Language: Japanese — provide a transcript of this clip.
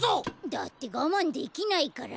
だってがまんできないから。